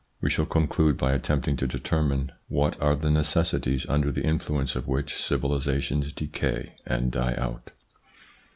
We shall conclude by attempting to determine what are the necessities under the influence of which civilisations decay and die out.